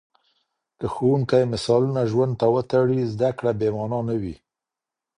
که ښوونکی مثالونه ژوند ته وتړي، زده کړه بې مانا نه وي.